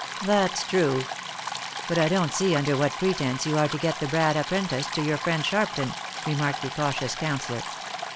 1 'That's true. But I don't see under what pretence you are to get the brat apprenticed to your friend Sharpton," remarked the cautious counsellor.